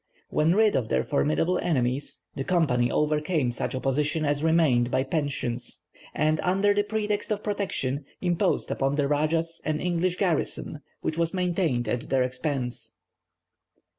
When rid of their formidable enemies, the Company overcame such opposition as remained by pensions; and, under the pretext of protection, imposed upon the rajahs an English garrison which was maintained at their expense.